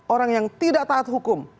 orang yang tidak taat hukum